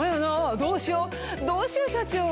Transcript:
どうしよう、社長。